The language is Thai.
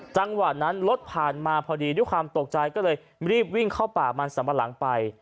จังหวะนั้นรถผ่านมาพอดีด้วยความตกใจก็เลยรีบวิ่งเข้าป่ามันสัมปะหลังไป